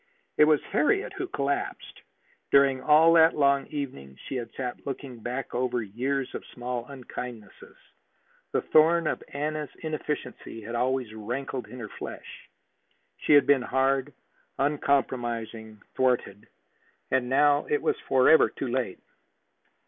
It was Harriet who collapsed. During all that long evening she had sat looking back over years of small unkindnesses. The thorn of Anna's inefficiency had always rankled in her flesh. She had been hard, uncompromising, thwarted. And now it was forever too late.